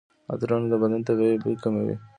عطرونه د بدن طبیعي بوی کموي.